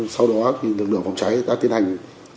sau đó lực lượng phòng cháy đã tiến hành